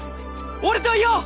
俺といよう！